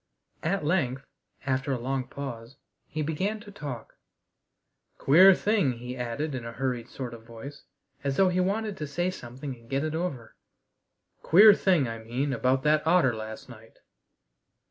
At length, after a long pause, he began to talk. "Queer thing," he added in a hurried sort of voice, as though he wanted to say something and get it over. "Queer thing, I mean, about that otter last night."